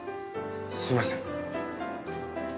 すいません。